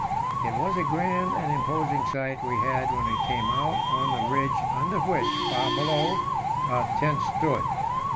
It was a grand and imposing sight we had when we came out on the ridge under which far below our tent stood.